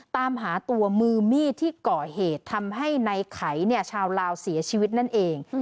ตามหาตัวมือมีดที่ก่อเหตุทำให้ในไขเนี่ยชาวลาวเสียชีวิตนั่นเอง